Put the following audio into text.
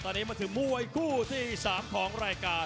ตอนนี้มวยกู้ที่๓ของรายการ